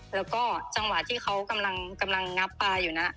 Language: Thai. แล้วก็จังหวะที่เขากำลังงับปลาอยู่นะ